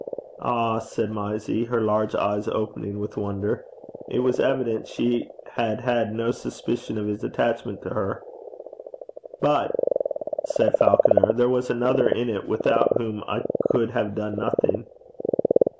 'Ah!' said Mysie, her large eyes opening with wonder. It was evident she had had no suspicion of his attachment to her. 'But,' said Falconer, 'there was another in it, without whom I could have done nothing.'